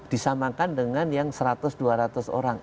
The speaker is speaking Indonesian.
disamakan dengan yang seratus dua ratus orang